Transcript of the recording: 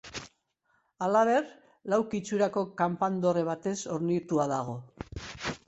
Halaber, lauki itxurako kanpandorre batez hornitua dago.